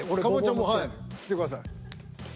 はい来てください。